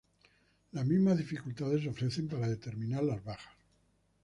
Las mismas dificultades se ofrecen para determinar las bajas.